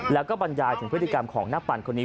แล้วก็บรรยายถึงพฤติกรรมของนักปั่นคนนี้